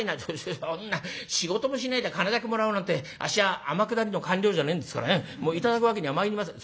「そんな仕事もしないで金だけもらおうなんてあっしは天下りの官僚じゃねえんですからね頂くわけにはまいりません」。